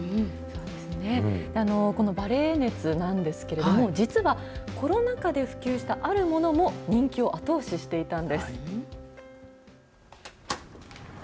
このバレエ熱なんですけれども、実は、コロナ禍で普及した、あるものも人気を後押ししていたんです。